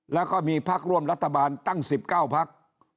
แล้วก็มีพักร่วมรัฐบาลตั้ง๑๙พัก